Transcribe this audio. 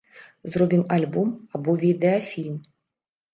Зробім альбом або відэафільм.